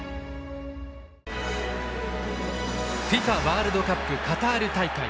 ＦＩＦＡワールドカップカタール大会。